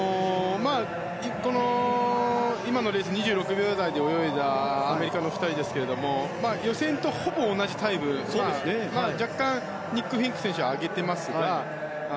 今のレース２６秒台で泳いだアメリカの２人ですけれども予選とほぼ同じタイムで若干、ニック・フィンク選手は上げていますが。